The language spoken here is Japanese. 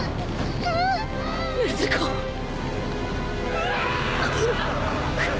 うわ！